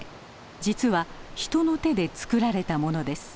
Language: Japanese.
実は人の手でつくられたものです。